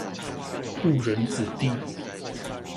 誤人子弟